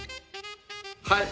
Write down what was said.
はい！